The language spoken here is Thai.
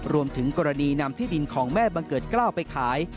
รวมถึงกรณีนำที่ดินของแม่บังเกิดกล้าวไปขาย